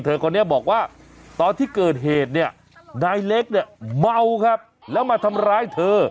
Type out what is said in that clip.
เธอคนนี้บอกว่าตอนที่เกิดเหตุนายเล็กเมาครับแล้วมาทำร้ายเธอ